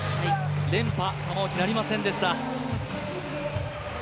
連覇、玉置、なりませんでした。